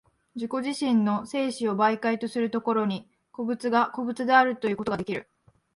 自己自身の生死を媒介とする所に、個物が個物であるということができる。